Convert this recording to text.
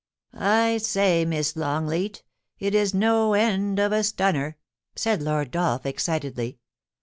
* I say, Miss Longleat, it is no end of a stunner !' said Lord Dolph, excitedly.